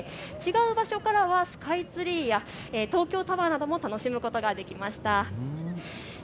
違う場所からはスカイツリーや東京タワーなども楽しむことができました。